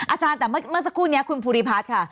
อาจารย์แต่เมื่อสักครู่นี้คุณภูริพัฒน์ค่ะ